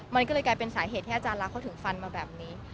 มันก็เลยกลายเป็นสาเหตุที่อาจารย์รักเขาถึงฟันมาแบบนี้